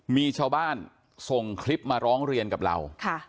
มีชาวบ้านส่งคลิปมาร้องเรียนกับเรา